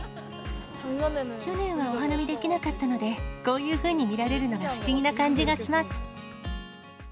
去年はお花見できなかったので、こういうふうに見られるのが不思議な感じがします。